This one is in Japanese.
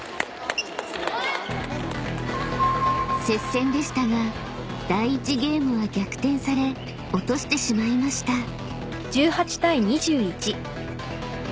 ［接戦でしたが第１ゲームは逆転され落としてしまいました］